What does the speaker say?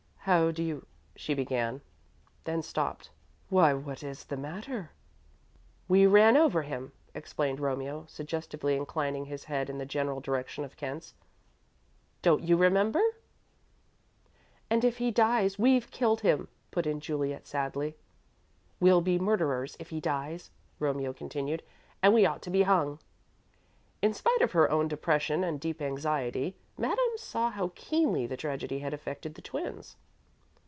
"How do you " she began, then stopped. "Why, what is the matter?" "We ran over him," explained Romeo, suggestively inclining his head in the general direction of Kent's. "Don't you remember?" "And if he dies, we've killed him," put in Juliet, sadly. "We'll be murderers if he dies," Romeo continued, "and we ought to be hung." In spite of her own depression and deep anxiety, Madame saw how keenly the tragedy had affected the twins.